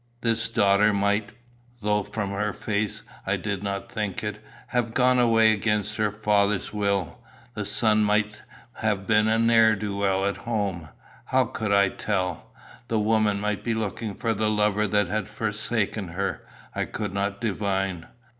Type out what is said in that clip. This daughter might, though from her face I did not think it, have gone away against her father's will. That son might have been a ne'er do well at home how could I tell? The woman might be looking for the lover that had forsaken her I could not divine.